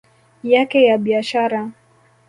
yake ya biashara